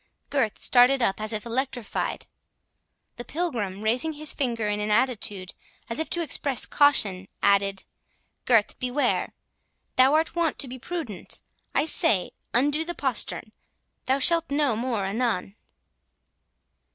Gurth started up as if electrified. The Pilgrim, raising his finger in an attitude as if to express caution, added, "Gurth, beware—thou are wont to be prudent. I say, undo the postern—thou shalt know more anon."